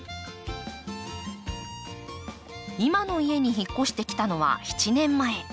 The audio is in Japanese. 今の家に引っ越してきたのは７年前。